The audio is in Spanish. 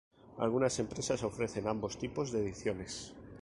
Algunas empresas ofrecen ambos tipos de ediciones.